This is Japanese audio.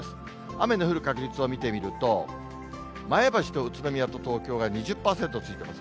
雨の降る確率を見てみると、前橋と宇都宮と東京が２０％ついてます。